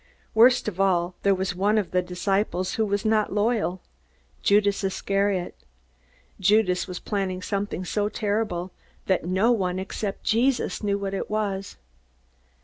Worst of all, there was one of the disciples who was not loyal Judas Iscariot. Judas was planning something so terrible that no one except Jesus knew what it was.